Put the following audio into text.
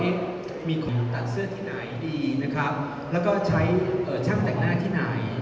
เอ๊ะมีใครบังค์ตัดเสื้อที่ไหนดีและใช้ช่างแต่งหน้าที่ไหน